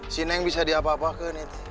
si neng bisa diapa apakan itu